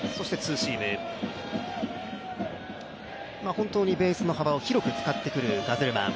本当にベースの幅を広く使ってくるガゼルマン。